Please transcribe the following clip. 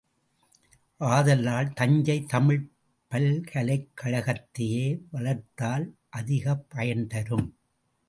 ஆதலால் தஞ்சைத் தமிழ்ப் பல்கலைக் கழகத்தையே வளர்த்தால் அதிகப் பயன்தரும்.